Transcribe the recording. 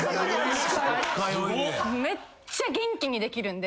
めっちゃ元気にできるんで。